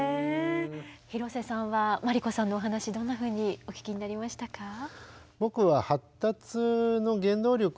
広瀬さんは真理子さんのお話どんなふうにお聞きになりましたか？